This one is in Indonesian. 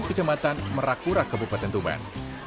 kecamatan merakura kabupaten tuman